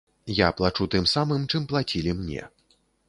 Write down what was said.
Я плачу тым самым, чым плацілі мне.